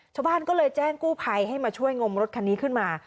ชาวบ้านก็เลยแจ้งกู้ภัยให้มาช่วยงมรถคันนี้ขึ้นมา